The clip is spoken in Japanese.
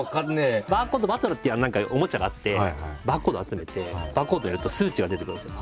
バーコードバトラーっていう何かおもちゃがあってバーコードを集めてバーコードを入れると数値が出てくるんですよ。